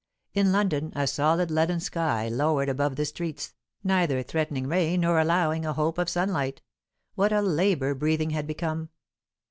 In London, a solid leaden sky lowered above the streets, neither threatening rain nor allowing a hope of sunlight. What a labour breathing had become!